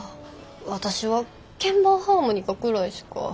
私は鍵盤ハーモニカぐらいしか。